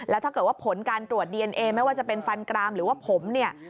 แล้วถ้าเกิดว่าผลการตรวจดีเอนเอไม่ว่าจะเป็นฟันกรามหรือว่าผมเนี่ย